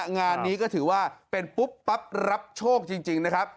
งานนี้ก็ถือว่าเป็นปุ๊บปั๊บรับโชคจริงนะครับ